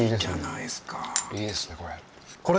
いいですねこれ。